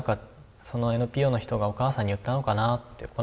そのＮＰＯの人がお母さんに言ったのかなって。